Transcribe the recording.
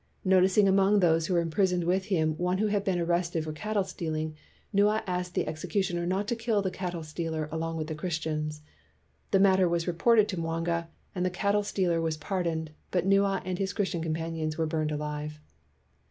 Noticing among those who were imprisoned with him one who had been ar rested for cattle stealing, Nua asked the executioner not to kill the cattle stealer along with the Christians. The matter was reported to Mwanga, and the cattle stealer was pardoned; but Nua and his Christian companions were burned alive.